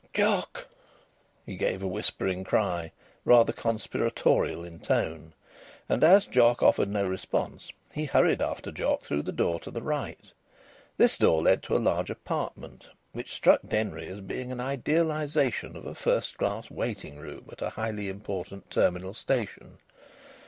"Jock!" He gave a whispering cry, rather conspiratorial in tone. And as Jock offered no response, he hurried after Jock through the door to the right. This door led to a large apartment which struck Denry as being an idealisation of a first class waiting room at a highly important terminal station.